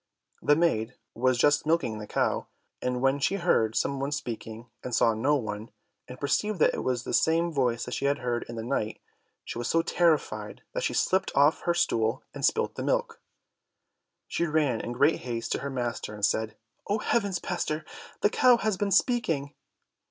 The maid was just milking the cow, and when she heard some one speaking, and saw no one, and perceived that it was the same voice that she had heard in the night, she was so terrified that she slipped off her stool, and spilt the milk. She ran in great haste to her master, and said, "Oh heavens, pastor, the cow has been speaking!"